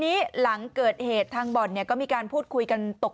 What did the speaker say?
ทีนี้หลังเกิดเหตุทางบ่อนเนี่ยก็มีการพูดคุยกันตก